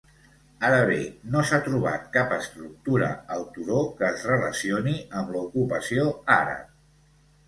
Ara bé, no s'ha trobat cap estructura al turó que es relacioni amb l'ocupació àrab.